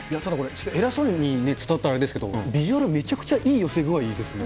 偉そうに伝わったらあれですけど、ビジュアル、めちゃくちゃいい寄せ具合ですね。